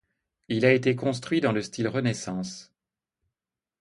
Il a été construit dans le style Renaissance.